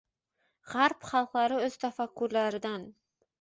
G‘arb xalqlari o‘z tafakkurlaridan